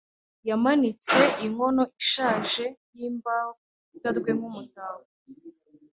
Yamanitse inkono ishaje, yimbaho ku rukuta rwe nk'umutako.